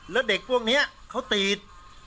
แล้วเด็กพวกนี้เขาตีด